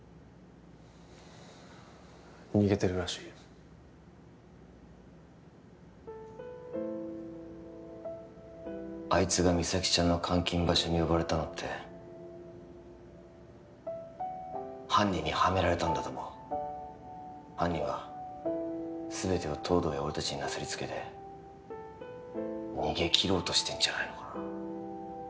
逃げてるらしいあいつが実咲ちゃんの監禁場所に呼ばれたのって犯人にはめられたんだと思う犯人はすべてを東堂や俺達になすりつけて逃げきろうとしてんじゃないのかな